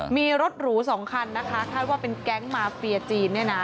มีรถหรูสองคันนะคะคาดว่าเป็นแก๊งมาเฟียจีนเนี่ยนะ